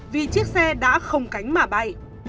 vì chiếc xe đã không cánh mà bay